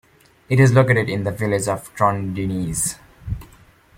It is located in the village of Trondenes.